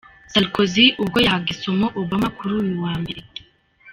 Sarkozy ubwo yahaga isomo Obama kuri uyu wa mbere.